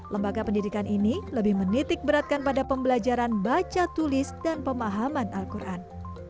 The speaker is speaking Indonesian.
lembaga pendidikan ini lebih menitik beratkan pada pembelajaran baca tulis dan pemahaman al quran